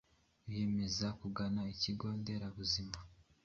Biiyemeza kugana ikigô nderabuzima